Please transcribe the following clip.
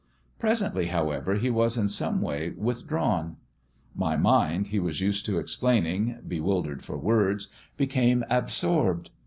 Presently, however, he was in some way withdrawn. "My mind," he was used to explaining, bewildered for words, " became ab sorbed."